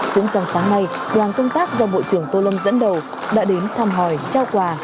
cũng trong sáng nay đoàn công tác do bộ trưởng tô lâm dẫn đầu đã đến thăm hỏi trao quà